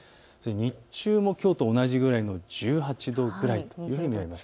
日中もきょうと同じくらいの１８度ぐらいというふうに見られます。